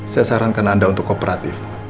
saya sarankan anda untuk kooperatif